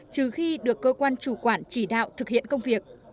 trừ khi được cơ quan chủ quản chỉ đạo thực hiện công việc